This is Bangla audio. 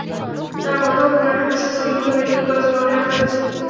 তাঁর মরদেহ পুরান ঢাকার স্যার সলিমুল্লাহ মেডিকেল কলেজ মর্গে রাখা হয়েছে।